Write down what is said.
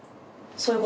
そういう事。